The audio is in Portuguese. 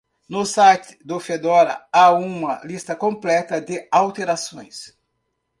No site do Fedora, há uma lista completa de alterações.